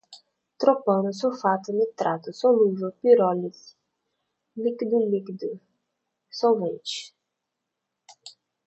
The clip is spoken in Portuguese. tropano, sulfato, nitrato, solúvel, pirólise, líquido-líquido, solvente